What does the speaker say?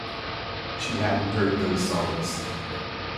She hadn't heard those songs.